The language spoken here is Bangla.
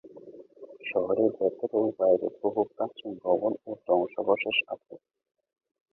শহরের ভেতরে ও বাইরে বহু প্রাচীন ভবন ও ধ্বংসাবশেষ আছে।